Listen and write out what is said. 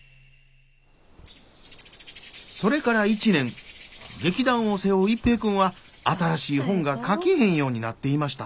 それから１年劇団を背負う一平君は新しい台本が書けへんようになっていました。